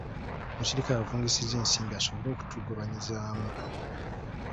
Omuserikale avungisa ensimbi asobole okuzitugabanyizaamu.